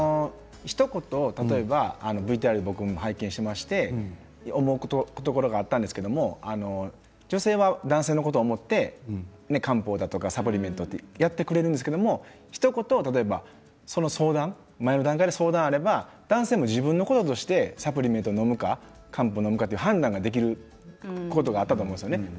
ひと言ＶＴＲ、拝見しまして思うところがあったんですけど女性は男性のことを思って漢方やサプリメントをやってくれるんですけどひと言、その相談前の段階で相談があれば男性も自分のこととしてサプリメントをまたは漢方をのむと判断できると思うんですよね。